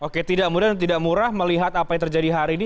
oke tidak mudah dan tidak murah melihat apa yang terjadi hari ini